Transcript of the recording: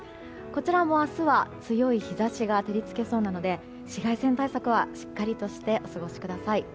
こちらも明日は強い日差しが照り付けそうなので紫外線対策はしっかりとしてお過ごしください。